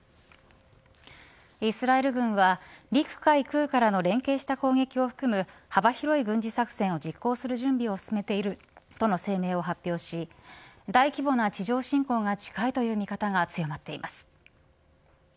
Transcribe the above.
イスラエル軍は陸、海、空からの連携した攻撃を含む幅広い軍事作戦を実行する準備を進めているとの声明を発表し大規模な地上侵攻が近いとの見方が強まっています。